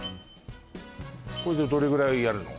これどれぐらいやるの？